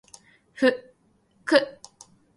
ふく